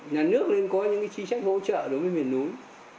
nhà nước nên có những trí trách hỗ trợ đối với miền núi